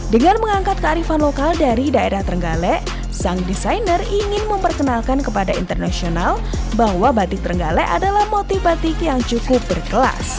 dengan mengangkat kearifan lokal dari daerah terenggalek sang desainer ingin memperkenalkan kepada internasional bahwa batik terenggalek adalah motif batik yang cukup berkelas